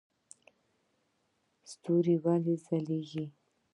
ستوري ولې ځلیږي؟